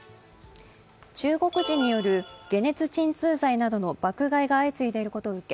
中国人による解熱鎮痛剤などの爆買いが相次いでいることを受け